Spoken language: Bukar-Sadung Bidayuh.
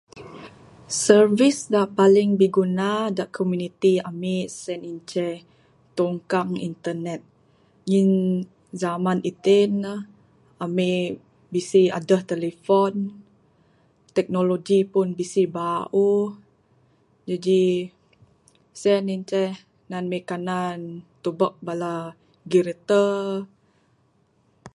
Service da paling biguna da komuniti ami sien inceh tungkang internet. Ngin zaman iti ne, ami bisi aduh telefon, teknoloji pun bisi bauh. Jaji, sien inceh nan ami kanan tubuk bala giretor.